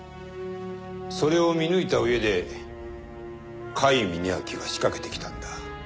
それを見抜いた上で甲斐峯秋は仕掛けてきたんだ。